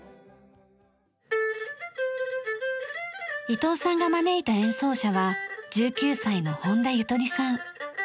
伊藤さんが招いた演奏者は１９歳の本多ゆとりさん。